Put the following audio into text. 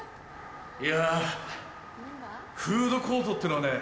いやフードコートってのはね